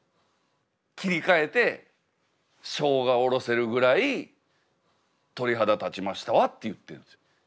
切り替えて「生姜おろせるぐらい鳥肌立ちましたわ」って言ってんですよ。